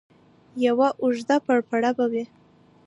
یوه اوږده پړپړه به وي.